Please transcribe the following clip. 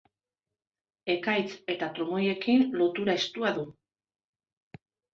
Ekaitz eta trumoiekin lotura estua du.